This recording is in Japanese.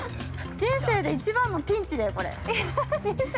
人生で一番のピンチだよ、これ。